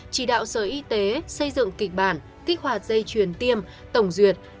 chỉ đạo sở y tế xây dựng kịch bản kích hoạt dây truyền tiêm tổng duyệt